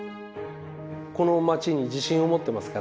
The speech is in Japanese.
この町に自信を持ってますから。